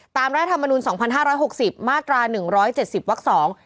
รัฐธรรมนุนสองพันห้าร้อยหกสิบมาตราหนึ่งร้อยเจ็ดสิบวักสอง